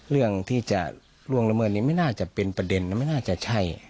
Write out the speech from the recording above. เรื่องที่จะล่วงละเมิดนี่ไม่น่าจะเป็นประเด็นนะไม่น่าจะใช่